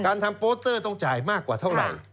ทำโปสเตอร์ต้องจ่ายมากกว่าเท่าไหร่